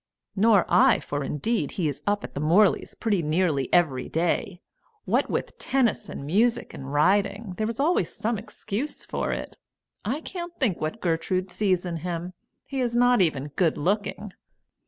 "Nor I, for indeed he is up at the Morleys' pretty nearly every day. What with tennis, and music, and riding, there is always some excuse for it. I can't think what Gertrude sees in him, he is not even good looking."